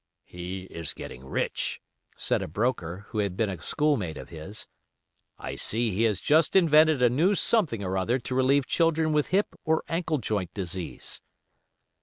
"He is getting rich," said a broker, who had been a schoolmate of his. "I see he has just invented a new something or other to relieve children with hip or ankle joint disease."